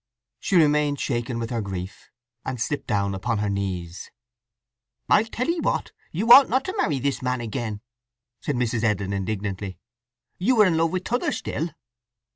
She remained shaken with her grief, and slipped down upon her knees. "I'll tell 'ee what—you ought not to marry this man again!" said Mrs. Edlin indignantly. "You are in love wi' t' other still!"